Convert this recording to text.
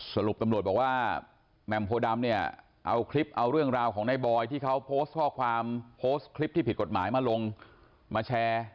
สรุปตำรวจบอกว่าแหม่มโพดำเนี่ยเอาคลิปเอาเรื่องราวของในบอยที่เขาโพสต์ข้อความโพสต์คลิปที่ผิดกฎหมายมาลงมาแชร์